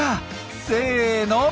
せの！